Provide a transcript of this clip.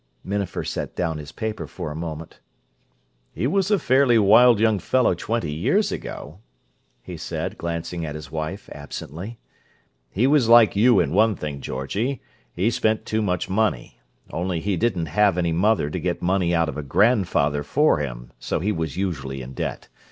Minafer set down his paper for the moment. "He was a fairly wild young fellow twenty years ago," he said, glancing at his wife absently. "He was like you in one thing, Georgie; he spent too much money—only he didn't have any mother to get money out of a grandfather for him, so he was usually in debt.